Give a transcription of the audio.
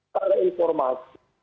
tak ada informasi